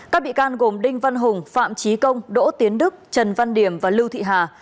các bị can gồm đinh văn hùng phạm trí công đỗ tiến đức trần văn điểm và lưu thị hà